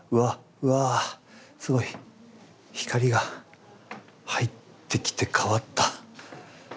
うわぁすごい光が入ってきて変わった。